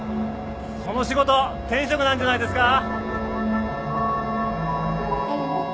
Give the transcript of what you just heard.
その仕事天職なんじゃないですか？